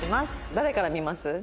誰から見ます？